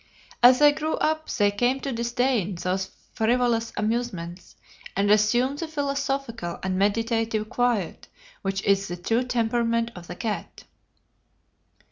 As they grew up they came to disdain those frivolous amusements, and assumed the philosophical and meditative quiet which is the true temperament of the cat.